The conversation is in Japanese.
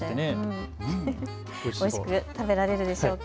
おいしく食べられるでしょうか。